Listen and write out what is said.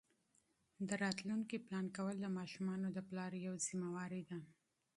د راتلونکي پلان کول د ماشومانو د پلار یوه مسؤلیت ده.